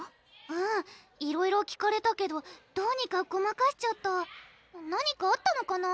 うんいろいろ聞かれたけどどうにかごまかしちゃった何かあったのかな？